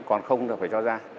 còn không thì phải cho ra